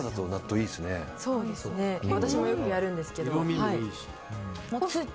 私もよくやるんですけど。